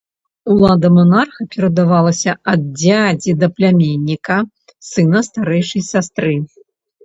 Улада манарха перадавалася ад дзядзі да пляменніка, сына старэйшай сястры.